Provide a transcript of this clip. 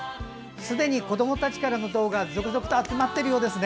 すでに子どもたちからの動画が続々と集まっているようですね。